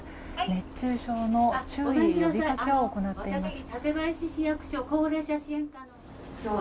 熱中症の注意呼びかけを行っています。